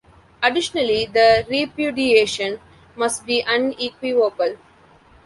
Additionally, the repudiation must be unequivocal.